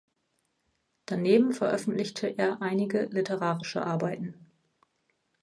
Daneben veröffentlichte er einige literarische Arbeiten.